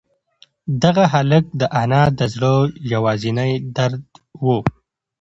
دغه هلک د انا د زړه یوازینۍ درد و.